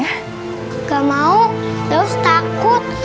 gak mau terus takut